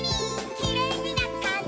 「きれいになったね」